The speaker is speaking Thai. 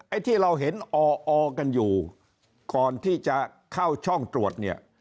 ที่เราเห็นออกันอยู่ก่อนที่จะเข้าช่องตรวจเนี่ย